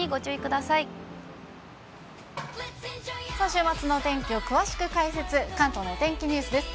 週末のお天気を詳しく解説、関東のお天気ニュースです。